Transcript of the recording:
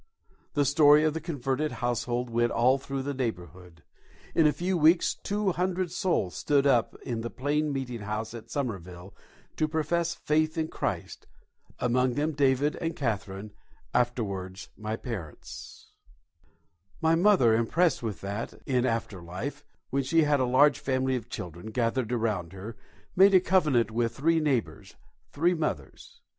The story of the converted household went all through the neighbourhood. In a few weeks two hundred souls stood up in the plain meeting house at Somerville to profess faith in Christ, among them David and Catherine, afterward my parents. [Illustration: DAVID TALMAGE. CATHERINE TALMAGE. (The Parents of Dr. T. DeWitt Talmage)] My mother, impressed with that, in after life, when she had a large family of children gathered around her, made a covenant with three neighbours, three mothers.